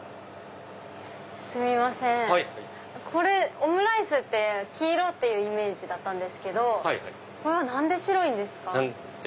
オムライスって黄色っていうイメージだったんですけどこれは何で白いんですか？